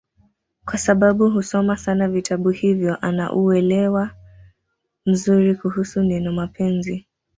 kwasababu husoma sana vitabu hivyo ana uwelewa mzuri kuhusu neno mapenzi